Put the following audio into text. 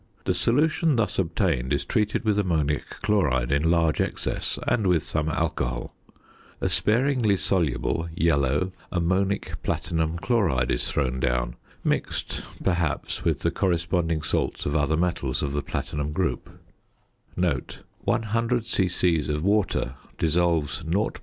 The solution thus obtained is treated with ammonic chloride in large excess and with some alcohol. A sparingly soluble yellow ammonic platinum chloride is thrown down, mixed, perhaps, with the corresponding salts of other metals of the platinum group.